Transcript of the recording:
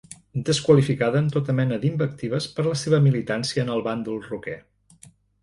Desqualificada amb tota mena d'invectives per la seva militància en el bàndol rocker.